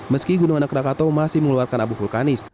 meski gunung anak rakatau masih mengeluarkan abu vulkanis